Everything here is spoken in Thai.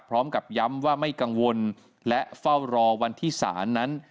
พร้อมกับย้ำว่าไม่กังวลและเฝ้ารอวันที่ศาลนั้น